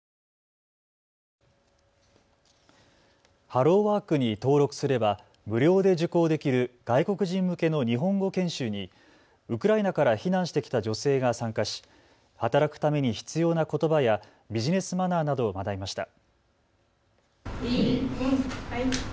ハローワークに登録すれば無料で受講できる外国人向けの日本語研修にウクライナから避難してきた女性が参加し働くために必要なことばやビジネスマナーなどを学びました。